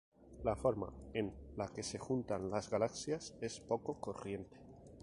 La forma en la que se juntan las galaxias es poco corriente.